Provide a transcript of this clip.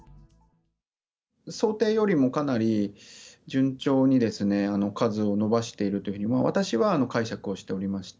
想定よりもかなり順調に数を伸ばしているというふうに、私は解釈をしておりまして、